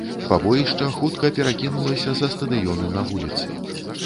Пабоішча хутка перакінулася са стадыёну на вуліцы.